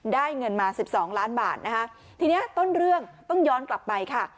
เงินมาสิบสองล้านบาทนะคะทีนี้ต้นเรื่องต้องย้อนกลับไปค่ะ